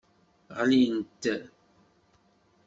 Ɣlint.